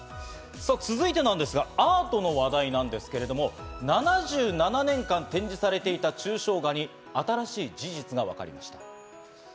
続いてですが、アートの話題なんですが、７７年間展示されていた抽象画に新しい事実がわかりました。